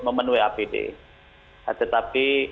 memenuhi apd tetapi